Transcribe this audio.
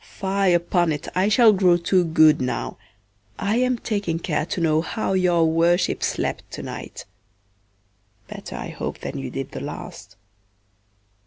Fye upon't I shall grow too good now, I am taking care to know how your worship slept to night; better I hope than you did the last.